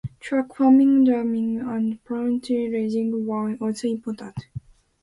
Truck farming, dairying, and poultry raising were also important.